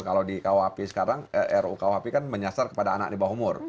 kalau di kuhp sekarang rukuhp kan menyasar kepada anak di bawah umur